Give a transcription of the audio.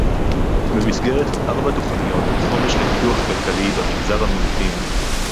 במסגרת ארבע תוכניות חומש לפיתוח כלכלי במגזר המיעוטים